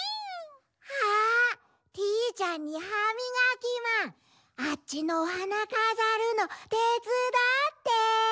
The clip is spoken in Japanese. あティーちゃんにハミガキマンあっちのおはなかざるのてつだって。